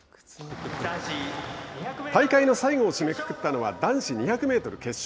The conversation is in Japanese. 大会の最後を締めくくったのは男子２００メートル決勝。